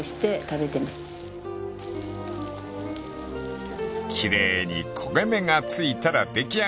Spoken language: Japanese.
［奇麗に焦げ目が付いたら出来上がり］